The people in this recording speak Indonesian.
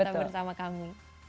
jadi kita bersama kami